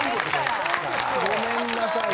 ごめんなさい。